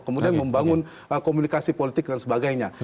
kemudian membangun komunikasi politik dan sebagainya